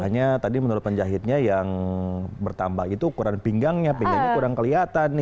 hanya tadi menurut penjahitnya yang bertambah itu ukuran pinggangnya pinggangnya kurang kelihatan nih